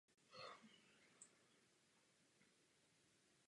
Prosté prohlášení o síťové neutralitě nám nestačí.